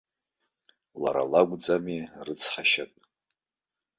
Лара лакәӡами арыцҳашьатә?